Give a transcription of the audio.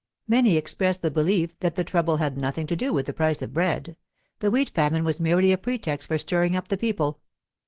Many expressed the belief that the trouble had nothing to do with the price of bread; the wheat famine was merely a pretext for stirring up the people.